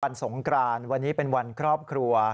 สงกรานวันนี้เป็นวันครอบครัว